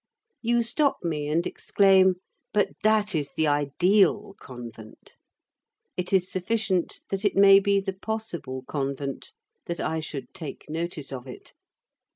You stop me and exclaim, "But that is the ideal convent!" It is sufficient that it may be the possible convent, that I should take notice of it.